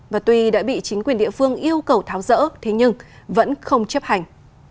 và tuy đã bị chính quyền địa phương yêu cầu tháo rỡ thế nhưng vẫn không chấp hành